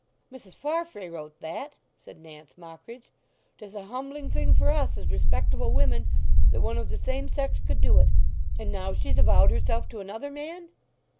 "Mrs. Farfrae wrote that!" said Nance Mockridge. "'Tis a humbling thing for us, as respectable women, that one of the same sex could do it. And now she's avowed herself to another man!"